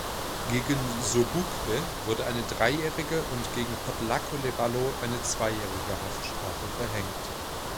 Gegen Sobukwe wurde eine dreijährige und gegen Potlako Leballo eine zweijährige Haftstrafe verhängt.